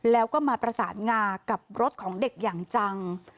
แล้วก็มาประสานงากับรถของเด็กอย่างจัง